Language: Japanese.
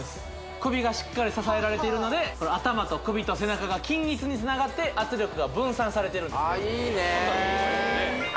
首がしっかり支えられているので頭と首と背中が均一につながって圧力が分散されてるんですああ